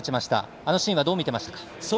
あのシーンはどう見てましたか？